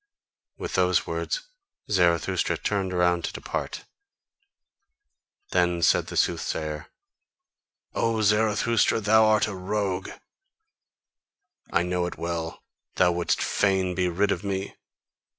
With those words Zarathustra turned around to depart. Then said the soothsayer: "O Zarathustra, thou art a rogue! I know it well: thou wouldst fain be rid of me!